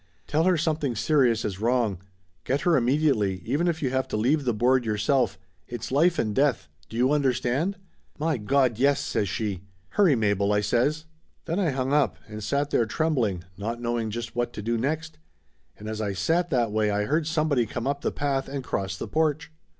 Tell her something serious is wrong. Get her immediately, even if you have to leave the board yourself. It's life and death. Do you understand ?" "My Gawd, yes !" says she. "Hurry, Mabel," I says. Then I hung up and sat there trembling, not know ing just what to do next, and as I sat that way I heard somebody come up the path and cross the porch.